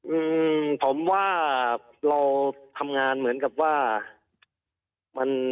อืมผมว่าเราทำงานเหมือนกับว่ามัน